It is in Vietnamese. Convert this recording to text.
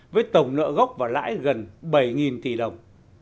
với tổng nợ gốc và lãi gần bảy tỷ đồng